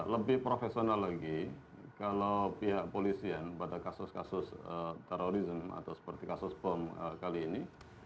lebih profesional lagi kalau pihak polisian pada kasus kasus terorisme atau seperti kasus bom kali ini